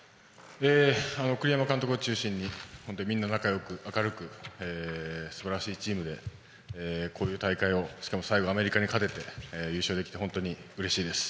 栗山監督を中心にみんな仲良く明るく素晴らしいチームでこういう大会をしかも最後アメリカに勝てて優勝できて本当にうれしいです。